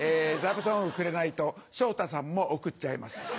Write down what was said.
座布団をくれないと昇太さんも送っちゃいます。